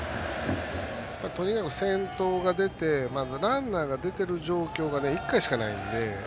とにかく先頭が出てランナーが出ている状況が１回しかないので。